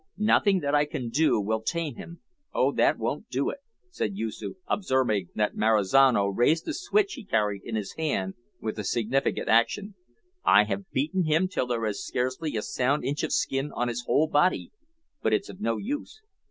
Nothing that I can do will tame him, oh, that won't do it," said Yoosoof, observing that Marizano raised the switch he carried in his hand with a significant action; "I have beaten him till there is scarcely a sound inch of skin on his whole body, but it's of no use.